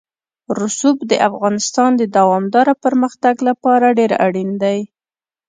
رسوب د افغانستان د دوامداره پرمختګ لپاره ډېر اړین دي.